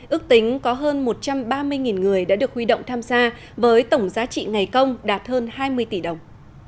ước tính có hơn một trăm ba mươi người đã được huy động tham gia với tổng giá trị ngày công đạt hơn hai mươi tỷ đồng